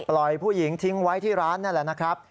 ผู้หญิงทิ้งไว้ที่ร้านนั่นแหละนะครับ